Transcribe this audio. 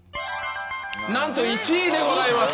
なんと１位でございます。